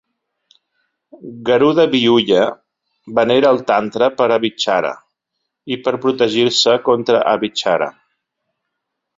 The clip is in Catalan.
Garuda Vyuha venera el Tantra per Abhichara i per protegir-se contra Abhichara.